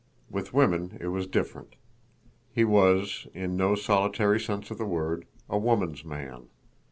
With women it was different. He was, in no solitary sense of the word, a woman's man.